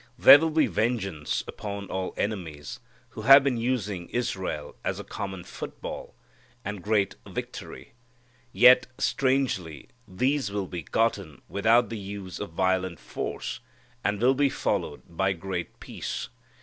There will be vengeance upon all enemies, who have been using Israel as a common football, and great victory. Yet, strangely, these will be gotten without the use of violent force, and will be followed by great peace.